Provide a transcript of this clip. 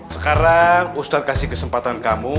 sekarang ustadz kasih kesempatan kamu